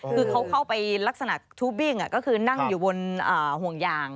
คือเขาเข้าไปลักษณะทูบบิ้งก็คือนั่งอยู่บนห่วงยาง